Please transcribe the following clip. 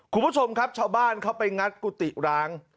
คุณผู้ชมครับชาวบ้านเขาไปงัดกุฏิร้าง